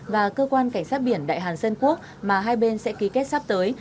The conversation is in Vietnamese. và cơ quan cảnh sát biển đại hàn dân quốc mà hai bên sẽ ký kết sắp tới